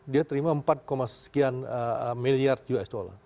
dia terima empat sekian miliar usd